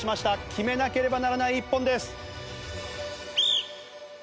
決めなければならない１本です。